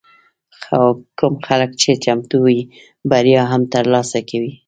خو کوم خلک چې چمتو وي، بریا هم ترلاسه کوي.